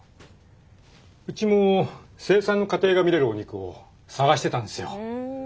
うちも生産の過程が見れるお肉を探してたんですよ。